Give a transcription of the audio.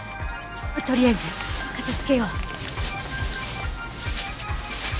とりあえず片付けよう。